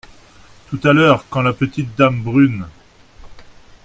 Tout à l’heure, quand la petite dame brune !…